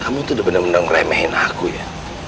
kamu tuh udah bener bener ngeremehin aku ya